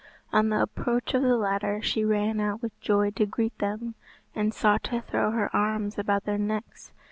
On the approach of the latter, she ran out with joy to greet them, and sought to throw her arms about their necks.